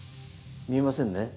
見えませんね。